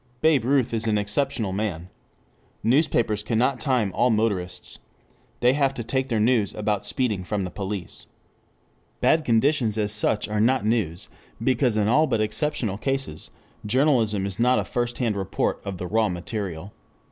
Babe Ruth is an exceptional man. Newspapers cannot time all motorists. They have to take their news about speeding from the police.] The bad conditions as such are not news, because in all but exceptional cases, journalism is not a first hand report of the raw material.